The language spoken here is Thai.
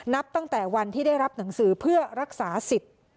นับตั้งแต่วันที่ได้รับหนังสือเพื่อรักษาสิทธิ์